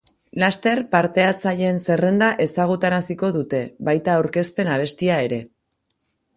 Laster, partehartzaileen zerrenda ezgautaraziko dute, baita aurkezpen abestia ere.